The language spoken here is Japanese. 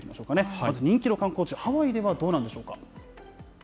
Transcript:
まず人気の観光地、ハワイではどうなんでしょうか。